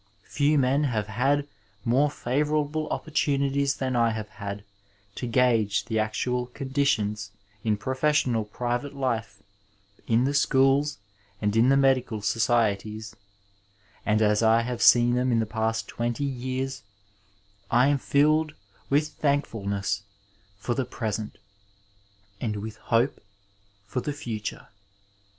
Few men have had more favourable opportunities than I have had to gauge the actual conditions in professional private life, in the aehoolSy andin^he medical societies, and as I have se^i thasi k the past twenty years I am filled with t hankf u l n e ss 459 Digitized byVjOOQlC UNITY, PEACE, AND CONCORD for the present and with hope for the future.